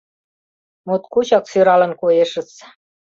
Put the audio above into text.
— Моткочак сӧралын коешыс.